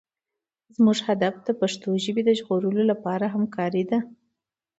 زموږ هدف د پښتو ژبې د ژغورلو لپاره همکارۍ دي.